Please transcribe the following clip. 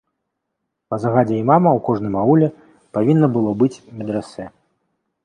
Па загадзе імама ў кожным ауле павінна было быць медрэсэ.